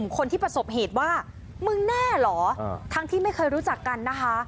คนที่ประสบเหตุว่ามึงแน่เหรอทั้งที่ไม่เคยรู้จักกันนะคะ